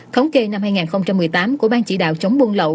thống kê năm hai nghìn một mươi tám của ban chỉ đạo chống buôn lậu